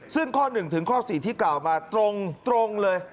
ซึ่งข้อ๑ถึงข้อ๔ที่กล่าวมาตรงเลย